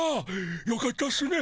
よかったっすね